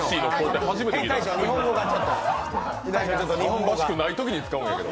欲しくないときに使うんやけど。